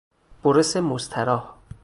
برس مستراح